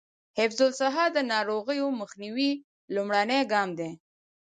حفظ الصحه د ناروغیو مخنیوي لومړنی ګام دی.